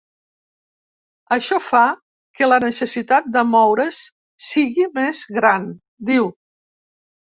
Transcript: Això fa que la necessitat de moure’s sigui més gran, diu.